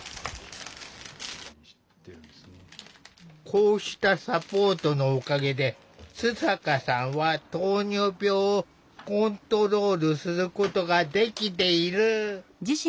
こうしたサポートのおかげで津坂さんは糖尿病をコントロールすることができている。